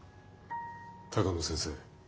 鷹野先生